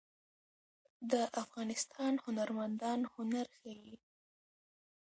د افغانستان هنرمندان هنر ښيي